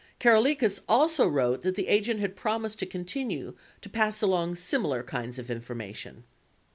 Karalekas also wrote that the agent had promised to continue to pass along similar kinds of information.